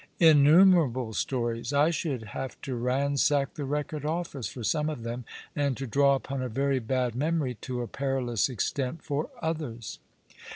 "Innumerable stories. I should have to ransack the Eecord Office for some of them, and to draw upon a very bad memory to a perilous extent for others."